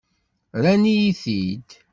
Rran-iyi-t-id.